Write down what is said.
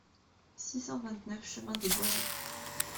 six cent vingt-neuf chemin des Bogeys